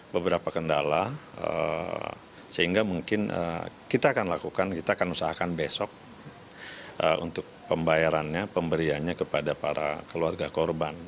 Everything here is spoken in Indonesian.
beberapa kendala sehingga mungkin kita akan lakukan kita akan usahakan besok untuk pembayarannya pemberiannya kepada para keluarga korban